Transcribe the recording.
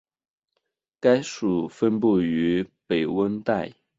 该属分布于北温带。